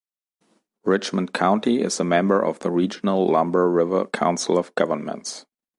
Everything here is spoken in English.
Richmond County is a member of the regional Lumber River Council of Governments.